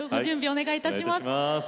お願いいたします。